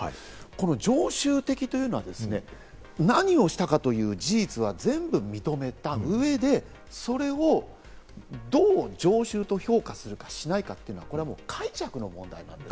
この常習的というのは、何をしたかという事実は全部認めた上で、それをどう常習と評価するかしないかというのは解釈の問題。